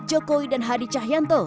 jokowi dan hadi cahyanto